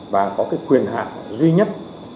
và có quyền hạ duy nhất